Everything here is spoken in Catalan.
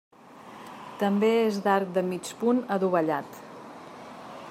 També és d'arc de mig punt adovellat.